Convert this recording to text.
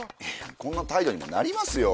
こんな態度にもなりますよ。